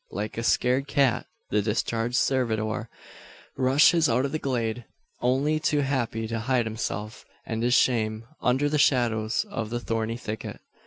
Like a scared cat the discharged servitor rushes out of the glade; only too happy to hide himself, and his shame, under the shadows of the thorny thicket.